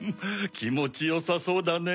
きもちよさそうだね。